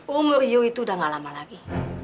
umur kamu itu sudah tidak lama lagi